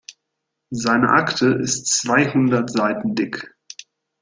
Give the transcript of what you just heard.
Seine Akte ist zweihundert Seiten dick.